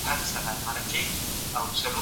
پانګه د کار د مؤلدېت د زياتېدو لامل کېږي.